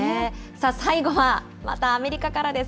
最後は、またアメリカからです。